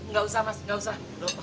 nggak usah mas nggak usah